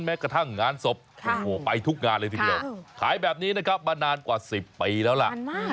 แม้กระทั่งงานศพโอ้โหไปทุกงานเลยทีเดียวขายแบบนี้นะครับมานานกว่า๑๐ปีแล้วล่ะ